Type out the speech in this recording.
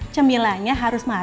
cemilanya harus marinya